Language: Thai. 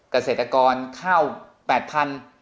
เกษตรกรข้าว๘๐๐บาท